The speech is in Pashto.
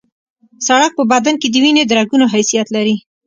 سړک په بدن کې د وینې د رګونو حیثیت لري